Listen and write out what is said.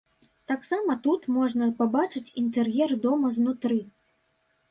Таксама тут можна пабачыць інтэр'ер дома знутры.